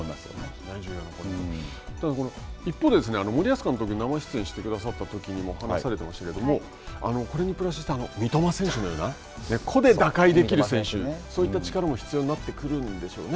ただ、一方で、森保監督が生出演してくださったときにも話されていましたが、これにプラスして三笘選手のような個で打開できる選手、そういった力も必要になってくるんでしょうね。